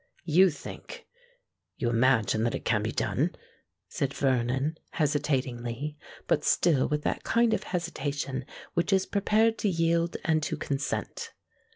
"You think—you imagine that it can be done——" said Vernon, hesitatingly—but still with that kind of hesitation which is prepared to yield and to consent.